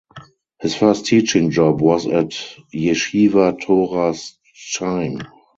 His first teaching job was at Yeshiva Toras Chaim.